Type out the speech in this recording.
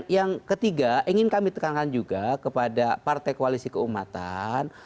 yang ketiga ingin kami tekankan juga kepada partai koalisi keumatan